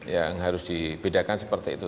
yang harus dibedakan seperti itu